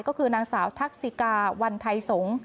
ก็คือนางสาวทักษิกาวันไทยสงศ์